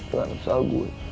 dengan usaha gua